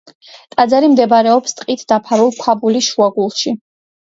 ტაძარი მდებარეობს ტყით დაფარული ქვაბულის შუაგულში.